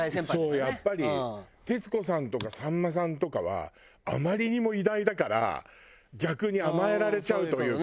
そうやっぱり徹子さんとかさんまさんとかはあまりにも偉大だから逆に甘えられちゃうというか。